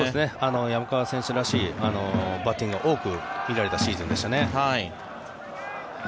山川選手らしいバッティングが多く見られたシーズンでしたね。